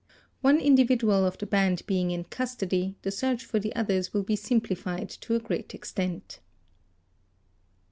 One individual of the band being in custody, the search for the others will be simplified to a great extent.